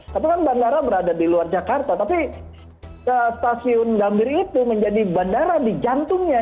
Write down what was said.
tapi kan bandara berada di luar jakarta tapi stasiun gambir itu menjadi bandara di jantungnya